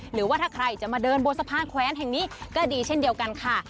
หรือว่าถ้าใครจะมาเดินบนสะพานแขวนแห่งนี้ก็ดีเช่นเดียวกันค่ะ